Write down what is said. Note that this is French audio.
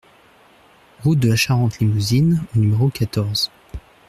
Route de la Charente Limousine au numéro quatorze